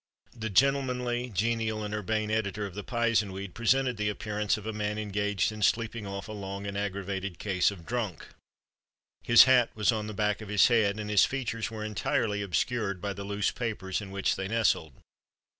The gentlemanly, genial and urbane editor of the Pizenweed presented the appearance of a man engaged in sleeping off a long and aggravated case of drunk. His hat was on the back of his head, and his features were entirely obscured by the loose papers in which they nestled.